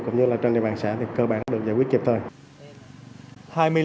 cũng như là trên địa bàn xã thì cơ bản được giải quyết kịp thời